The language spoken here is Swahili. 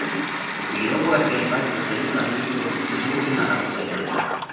Iliyopo katika hifadhi za Taifa hizo nzuri na za kupendeza